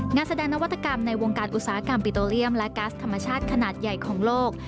งานแสดงนวัตกรรมในวงการอุตสาหกรรมปิโตเรียมและกัสธรรมชาติขนาดใหญ่ของโลก